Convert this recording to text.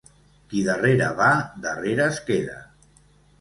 Qui darrere va, darrere es queda.